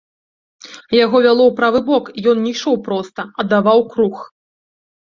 Яго вяло ў правы бок, і ён не ішоў проста, а даваў круг.